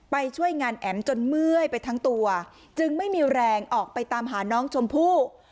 ช่วยงานแอ๋มจนเมื่อยไปทั้งตัวจึงไม่มีแรงออกไปตามหาน้องชมพู่